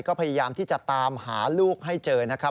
ก็พยายามที่จะตามหาลูกให้เจอนะครับ